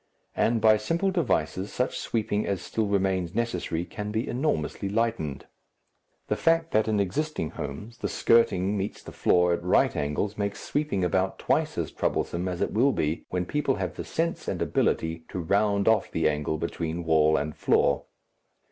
And by simple devices such sweeping as still remains necessary can be enormously lightened. The fact that in existing homes the skirting meets the floor at right angles makes sweeping about twice as troublesome as it will be when people have the sense and ability to round off the angle between wall and floor.